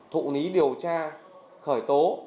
thụ lý điều tra khởi tố